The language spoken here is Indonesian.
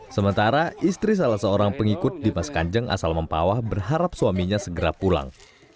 sementara istri salah seorang pengikut di maskan jengtaat asal mempawah berharap suaminya segera pulang